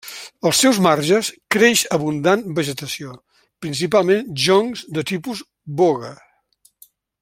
Als seus marges creix abundant vegetació, principalment joncs de tipus boga.